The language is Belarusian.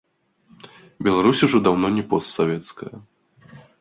Беларусь ужо даўно не постсавецкая.